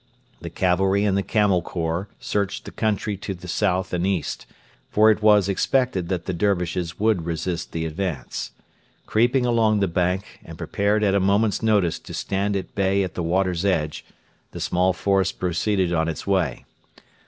The cavalry and the Camel Corps searched the country to the south and east; for it was expected that the Dervishes would resist the advance. Creeping along the bank, and prepared at a moment's notice to stand at bay at the water's edge, the small force proceeded on its way.